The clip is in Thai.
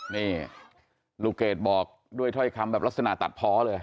นี่ลูกเกดบอกด้วยถ้อยคำแบบลักษณะตัดเพาะเลย